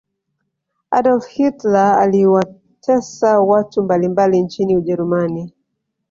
adolf hitler aliwateso watu mbalimbali nchini ujerumani